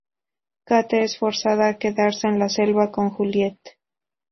Kate es forzada a quedarse en la selva con Juliet.